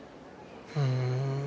ふん。